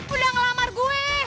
udah ngelamar gue